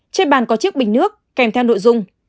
trên bàn có chiếc bình nước kèm theo nội dung